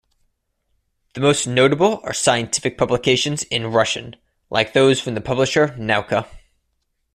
The most notable are scientific publications in Russian, like those from the publisher Nauka.